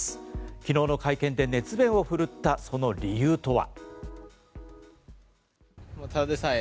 昨日の会見で熱弁を振るったその理由とは。